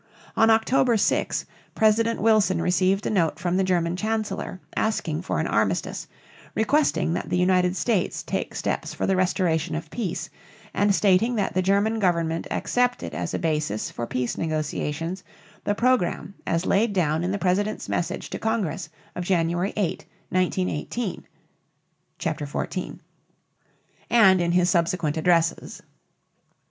On October 6 President Wilson received a note from the German Chancellor asking for an armistice, requesting that the United States take steps for the restoration of peace, and stating that the German government accepted as a basis for peace negotiations the program as laid down in the President's message to Congress of January 8, 1918 (Chapter XIV), and in his subsequent addresses.